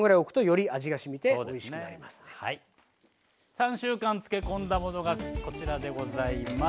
３週間漬け込んだものがこちらでございます。